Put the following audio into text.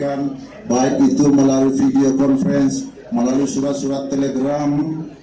kita sampaikan baik itu melalui videokonferensi melalui surat surat telegram